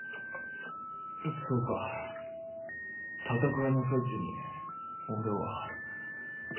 そうか戦いの最中に俺は。